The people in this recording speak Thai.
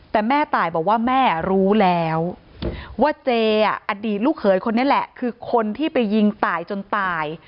แต่แม่ตายบอกว่าแม่รู้แล้วว่าเจออดีตลูกเขยคนนี้แหละคือคนที่ไปยิงตายจนตาย